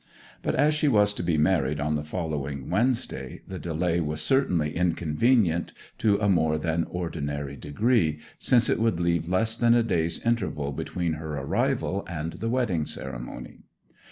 But, as she was to be married on the following Wednesday, the delay was certainly inconvenient to a more than ordinary degree, since it would leave less than a day's interval between her arrival and the wedding ceremony.